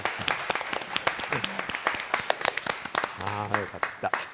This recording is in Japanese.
よかった。